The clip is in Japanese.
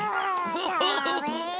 フフフフ。